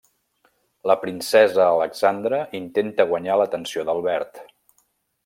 La princesa Alexandra intenta guanyar l'atenció d'Albert.